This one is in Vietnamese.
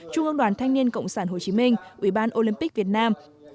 trung ương đoàn thanh niên cộng sản hồ chí minh ubnd việt nam